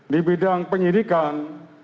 di bidang penyidikan